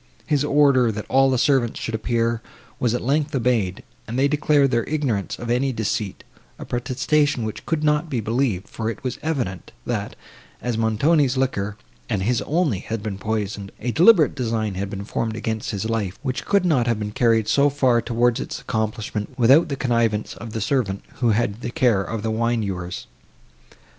His order, that all the servants should appear, was at length obeyed, and they declared their ignorance of any deceit—a protestation which could not be believed; for it was evident, that, as Montoni's liquor, and his only, had been poisoned, a deliberate design had been formed against his life, which could not have been carried so far towards its accomplishment, without the connivance of the servant, who had the care of the wine ewers.